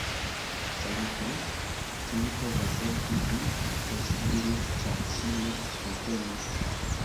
"Saluton? Ĉu mi povas helpi vin?" kaj ŝi diris, ĉar ŝi ne komprenis: